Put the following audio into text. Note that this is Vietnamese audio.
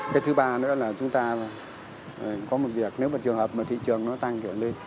cái thứ ba nữa là chúng ta có một việc nếu mà trường hợp mà thị trường nó tăng kiểu lên